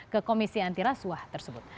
ke komisi antirasuah tersebut